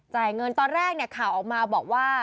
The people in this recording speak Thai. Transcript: จ่ายเงินตอนแรกข่าวออกมาบอกว่า